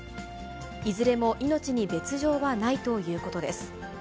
いずれも命に別状はないということです。